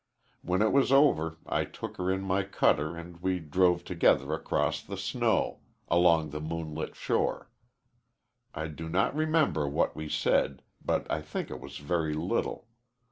When it was over, I took her in my cutter and we drove together across the snow along the moonlit shore. I do not remember what we said, but I think it was very little.